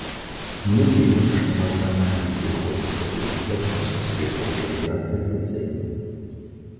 Мы верим, что Национальный переходный совет добьется успеха в реализации этой цели.